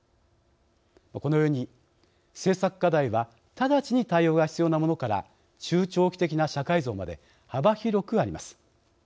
このように、政策課題は直ちに対応が必要なものから中長期的な社会像まで幅広くあります。